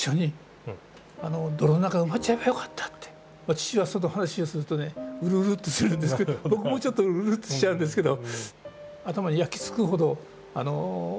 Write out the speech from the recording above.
父はその話をするとねうるうるっとするんですけど僕もちょっとうるっとしちゃうんですけど。